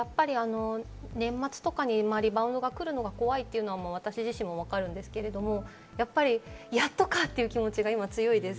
年末とかにリバウンドが来るのが怖いというのも私自身分かるんですけれども、やっとかという気持ちが強いです。